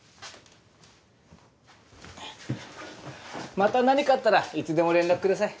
また何かあったらいつでも連絡ください